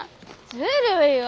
ずるいわ。